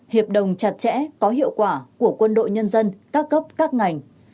hiệp đồng chặt chẽ có hiệu quả của quân đội nhân dân các cấp các ngành